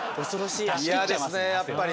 嫌ですねやっぱり。